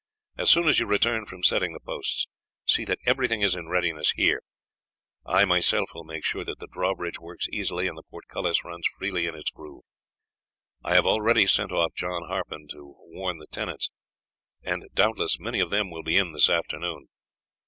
As soon as you return from setting the posts see that everything is in readiness here. I myself will make sure that the drawbridge works easily and the portcullis runs freely in its groove. I have already sent off John Harpen to warn the tenants, and doubtless many of them will be in this afternoon.